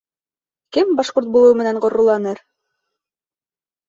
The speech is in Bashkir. Кем башҡорт булыуы менән ғорурланыр?